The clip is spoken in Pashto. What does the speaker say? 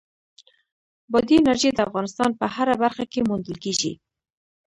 بادي انرژي د افغانستان په هره برخه کې موندل کېږي.